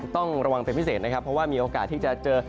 ต้องระวังเป็นพิเศษนะครับเพราะว่ามีโอกาสที่จะเจอ